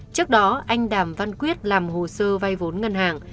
trước đó anh đàm văn quyết làm hồ sơ vay vốn ngân hàng